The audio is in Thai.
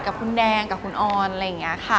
กับคุณแดงกับคุณออนอะไรอย่างนี้ค่ะ